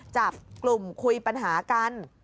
จับกลุ่มคุยปัญหากัน